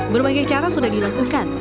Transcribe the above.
berbagai cara sudah dilakukan